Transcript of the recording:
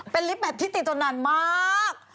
เป็นลิฟท์แบตที่ติดทนนานมาก